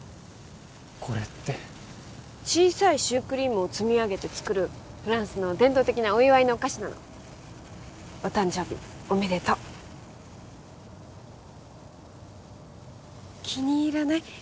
これって小さいシュークリームを積み上げて作るフランスの伝統的なお祝いのお菓子なのお誕生日おめでとう気に入らない？